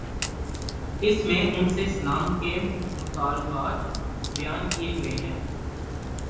اس میں ان سے اسلام کے مطالبات بیان کیے گئے ہیں۔